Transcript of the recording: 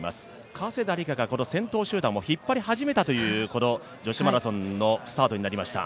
加世田梨花がこの先頭集団を引っ張り始めたというこの女子マラソンのスタートになってきました。